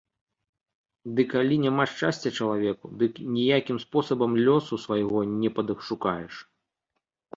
Ды калі няма шчасця чалавеку, дык ніякім спосабам лёсу свайго не падашукаеш.